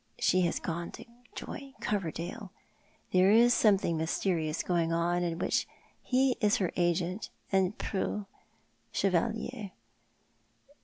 She has gone to join Coverdale. There is something mysterious going on in which he is her agent and preux chevalier.